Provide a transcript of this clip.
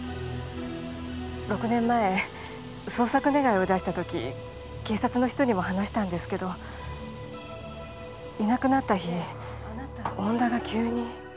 ６年前捜索願を出した時警察の人にも話したんですけどいなくなった日恩田が急に。